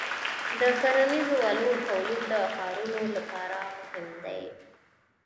د کرنیزو آلو تولید د ښارونو لپاره مهم دی.